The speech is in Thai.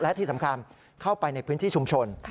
และที่สำคัญเข้าไปในพื้นที่ชุมชน